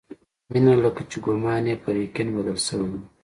مينه لکه چې ګومان يې پر يقين بدل شوی و.